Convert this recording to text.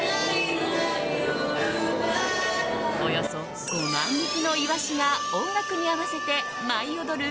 およそ５万匹のイワシが音楽に合わせて舞い踊る